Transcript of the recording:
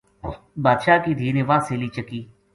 بادشاہ کی دھی نے واہ سیلی چکی